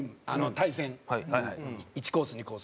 対戦１コース２コース。